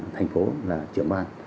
thành phố là trưởng ban